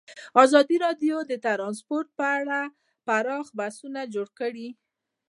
ازادي راډیو د ترانسپورټ په اړه پراخ بحثونه جوړ کړي.